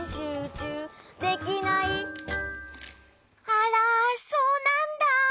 あらそうなんだ。